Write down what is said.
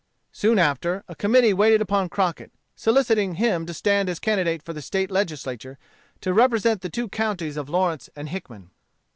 Soon after, a committee waited upon Crockett, soliciting him to stand as candidate for the State Legislature, to represent the two counties of Lawrence and Hickman.